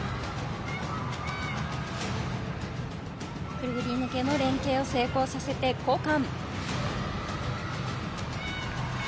くぐり抜けの連係を成功させて交換。